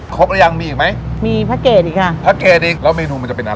หรือยังมีอีกไหมมีแพ็คเกจอีกค่ะแพ็คเกจอีกแล้วเมนูมันจะเป็นอะไร